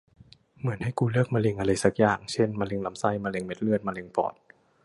เหมือนให้กูเลือกมะเร็งอะไรสักอย่าง เช่น มะเร็งลำไส้ มะเร็งเม็ดเลือด มะเร็งปอด